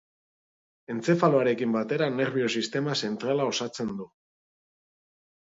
Entzefaloarekin batera nerbio-sistema zentrala osatzen du.